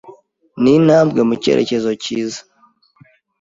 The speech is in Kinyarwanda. Ni intambwe mu cyerekezo cyiza.